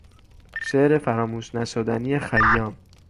شعر فراموش نشدنی خیام